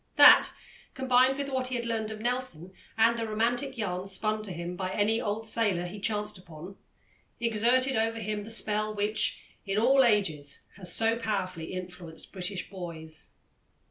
That, combined with what he learned of Nelson, and the romantic yarns spun to him by any old sailor he chanced upon, exerted over him the spell which, in all ages, has so powerfully influenced British boys.